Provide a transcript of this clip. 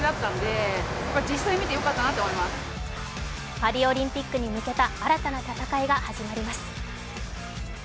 パリオリンピックに向けた新たな戦いが始まります。